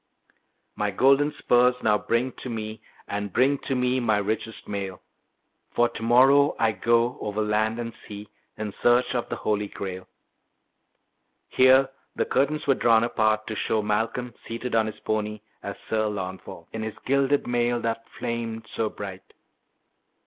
"My golden spurs now bring to me, And bring to me my richest mail, For to morrow I go over land and sea In search of the Holy Grail." Here the curtains were drawn apart to show Malcolm seated on his pony as Sir Launfal, "in his gilded mail that flamed so bright."